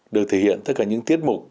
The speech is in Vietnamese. được thể hiện tất cả những tiết mục